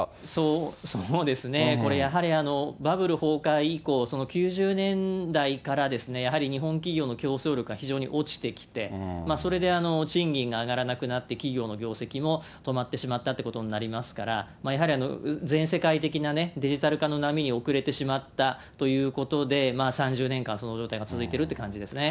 そうですね、これ、バブル崩壊以降、９０年代からですね、やはり日本企業の競争力が非常に落ちてきて、それで、賃金が上がらなくなって、企業の業績も止まってしまったってことになりますから、やはり、全世界的なデジタル化の波に遅れてしまったということで、３０年間、その状態が続いていてるって感じですね。